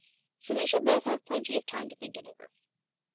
So we shall both have plenty of time to think it over."